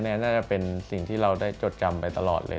น่าจะเป็นสิ่งที่เราได้จดจำไปตลอดเลย